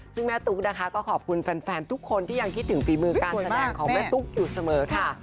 ซึ่งแม่ตุ๊กนะคะก็ขอบคุณแฟนทุกคนที่ยังคิดถึงฝีมือการแสดงของแม่ตุ๊กอยู่เสมอค่ะ